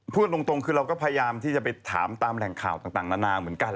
พูดตรงคือเราก็พยายามที่จะไปถามตามแหล่งข่าวต่างนานาเหมือนกัน